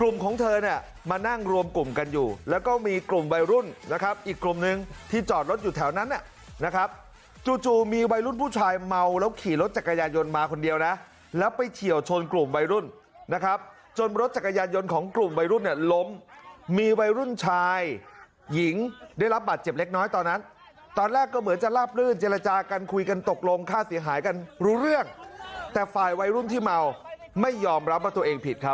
กลุ่มของเธอน่ะมานั่งรวมกลุ่มกันอยู่แล้วก็มีกลุ่มวัยรุ่นนะครับอีกกลุ่มหนึ่งที่จอดรถอยู่แถวนั้นนะครับจู่มีวัยรุ่นผู้ชายเมาแล้วขี่รถจักรยานยนต์มาคนเดียวนะแล้วไปเฉียวชนกลุ่มวัยรุ่นนะครับจนรถจักรยานยนต์ของกลุ่มวัยรุ่นเนี่ยล้มมีวัยรุ่นชายหญิงได้รับบัตรเจ็บเล็กน้อยตอน